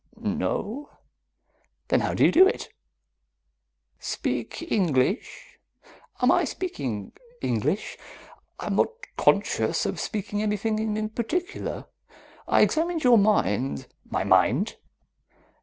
"No." "Then how do you do it?" "Speak English? Am I speaking English? I'm not conscious of speaking anything in particular. I examined your mind " "My mind?"